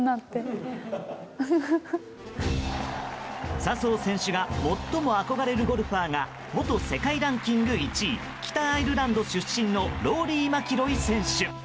笹生選手が最も憧れるゴルファーが元世界ランキング１位北アイルランド出身のローリー・マキロイ選手。